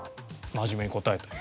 真面目に答えた。